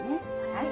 はい。